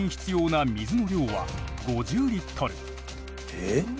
えっ！？